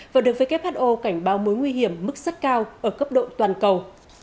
và được who cảnh báo mối nguy hiểm mức rất cao ở cấp độ toàn cầu